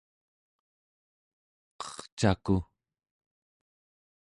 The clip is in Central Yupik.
qercaku